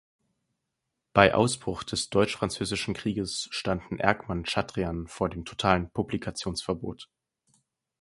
Bei Ausbruch des Deutsch-Französischen Krieges standen Erckmann-Chatrian vor dem totalen Publikationsverbot.